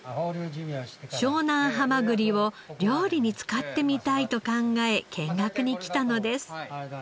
湘南はまぐりを料理に使ってみたいと考え見学に来たのです。